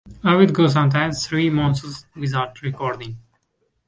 I would go sometimes three months without recording.